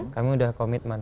kami udah komitmen